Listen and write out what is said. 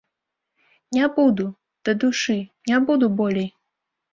Не буду, дадушы, не буду болей!